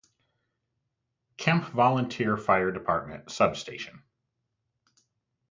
Camp Volunteer Fire Department Substation.